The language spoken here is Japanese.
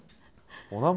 お名前。